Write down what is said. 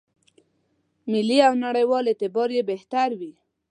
ملي او نړېوال اعتبار یې بهتر وي.